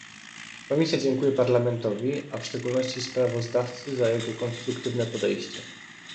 Komisja dziękuje Parlamentowi, a w szczególności sprawozdawcy za jego konstruktywne podejście